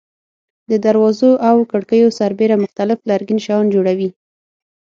د دروازو او کړکیو سربېره مختلف لرګین شیان جوړوي.